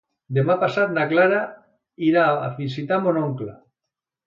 Demà passat na Clara irà a visitar mon oncle.